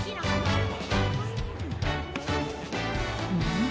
ん？